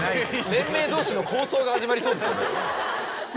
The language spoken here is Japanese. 連盟同士の抗争が始まりそうですよね。